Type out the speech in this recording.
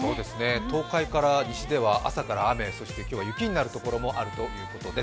東海から西では朝から雨が降って、今日は雪になる所もあるということです。